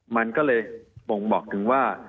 มีความรู้สึกว่ามีความรู้สึกว่า